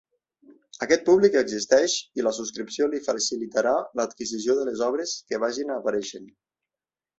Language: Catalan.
Aquest públic existeix i la subscripció li facilitarà l’adquisició de les obres que vagin apareixent.